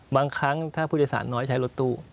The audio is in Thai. บางครั้งถ้าผู้โดยสารน้อยใช้รถตู้